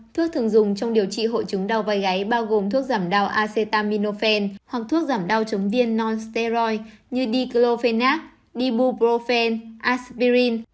thuốc thường dùng trong điều trị hội trứng đau vây gáy bao gồm thuốc giảm đau acetaminophen hoặc thuốc giảm đau chống viên non steroid như diclofenac dibuprofen aspirin